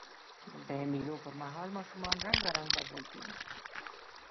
د مېلو پر مهال ماشومان رنګارنګ بازۍ کوي.